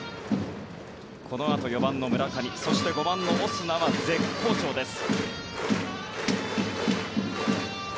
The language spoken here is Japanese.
このあと４番の村上そして５番のオスナは絶好調です。